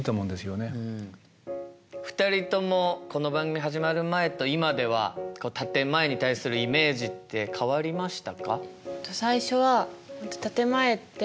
２人ともこの番組始まる前と今では建て前に対するイメージって変わりましたか？